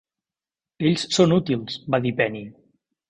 "Ells són útils" va dir Penny.